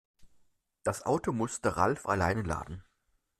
Das Auto musste Ralf alleine laden.